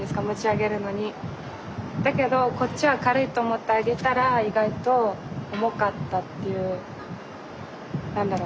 だけどこっちは軽いと思って上げたら意外と重かったっていうなんだろう？